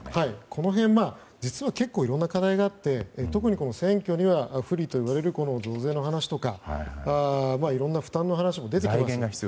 この辺は実はいろいろな課題があって特に選挙には不利といわれる増税の話とかいろんな負担の話も出てきます。